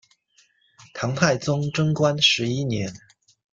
唐太宗贞观十一年。